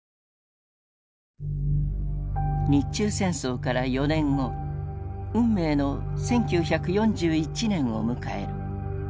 日中戦争から４年後運命の１９４１年を迎える。